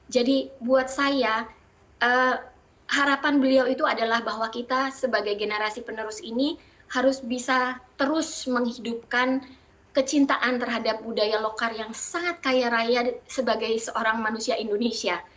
jadi buat saya harapan beliau itu adalah bahwa kita sebagai generasi penerus ini harus bisa terus menghidupkan kecintaan terhadap budaya lokal yang sangat kaya raya sebagai seorang manusia indonesia